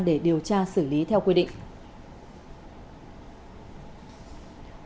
để điều tra xử lý theo quy định